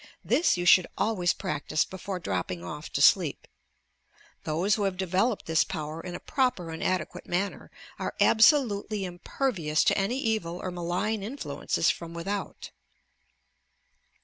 This you should always practice before dropping off to sleep. Those who have developed this power in a proper and adequate manner, are absolutely impervious to any evil or malign influences from without.